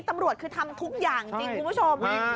ตำรวจคือทำทุกอย่างจริงคุณผู้ชม